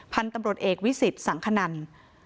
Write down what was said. พันธุ์ตำรวจเอกวิสิตสังคนัน